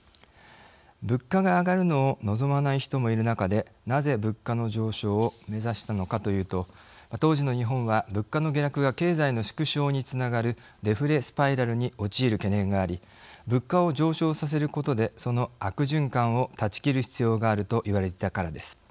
物価が上がるのを望まない人もいる中でなぜ、物価の上昇を目指したのかというと当時の日本は、物価の下落が経済の縮小につながるデフレスパイラルに陥る懸念があり物価を上昇させることでその悪循環を断ち切る必要があるといわれていたからです。